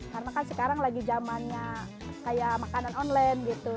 karena kan sekarang lagi zamannya kayak makanan online gitu